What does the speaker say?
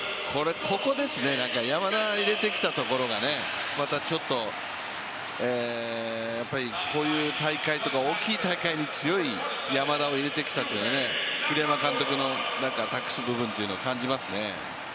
ここですね、山田入れてきたところがこういう大会とか大きい大会に強い山田を入れてきたというのは、栗山監督の託す部分というのを感じますね。